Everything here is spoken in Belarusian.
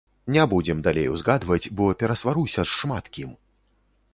Не будзем далей узгадваць, бо перасваруся з шмат кім.